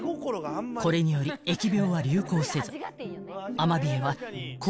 ［これにより疫病は流行せずアマビエは］